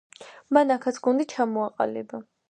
მან აქაც გუნდი ჩამოაყალიბა.